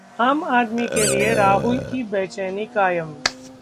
आम आदमी के लिए राहुल की 'बेचैनी' कायम